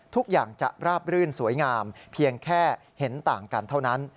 ทุกอย่างจะราบรื่นสวยงามเพียงแค่เห็นต่างกันเท่านั้น